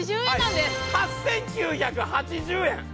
８９８０円！